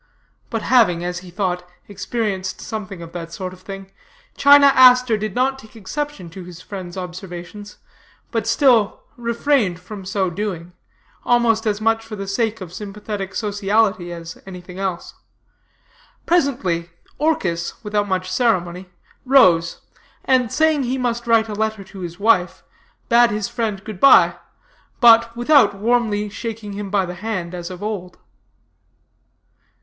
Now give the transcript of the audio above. But having, as he thought, experienced something of that sort of thing, China Aster did not take exception to his friend's observations, but still refrained from so doing, almost as much for the sake of sympathetic sociality as anything else. Presently, Orchis, without much ceremony, rose, and saying he must write a letter to his wife, bade his friend good bye, but without warmly shaking him by the hand as of old.